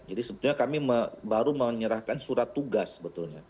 jadi sebetulnya kami baru menyerahkan surat tugas sebetulnya